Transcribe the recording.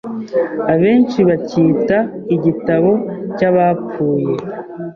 abenshi bacyita “igitabo cy’abapfuye